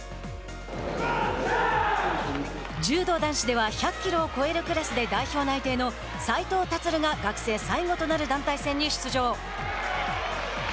柔道男子では１００キロを超えるクラスで代表内定の斉藤立が学生最後となる団体戦に出場。